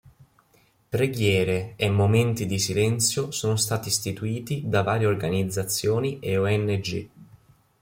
Preghiere e momenti di silenzio sono stati istituiti da varie organizzazioni e Ong.